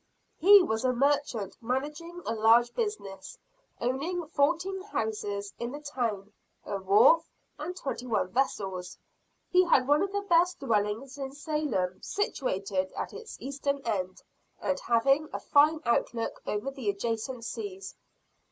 He was a merchant managing a large business, owning fourteen houses in the town, a wharf, and twenty one vessels. He had one of the best dwellings in Salem situated at its eastern end, and having a fine outlook over the adjacent seas.